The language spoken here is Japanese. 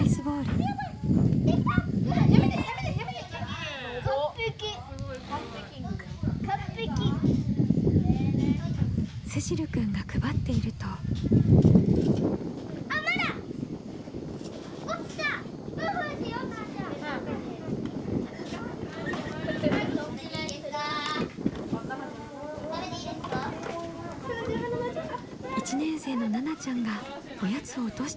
１年生のななちゃんがおやつを落としちゃったみたい。